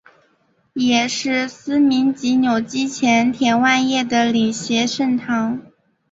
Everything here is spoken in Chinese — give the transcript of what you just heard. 也是司铎级枢机前田万叶的领衔圣堂。